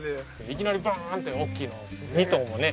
いきなりバーンと大きいのを２頭もね。